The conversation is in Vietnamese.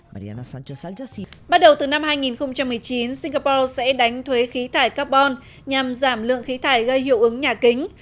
bắt đầu từ năm hai nghìn một mươi chín singapore sẽ đánh thuế khí thải carbon nhằm giảm lượng khí thải gây hiệu ứng nhà kính